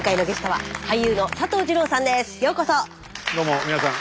どうも皆さん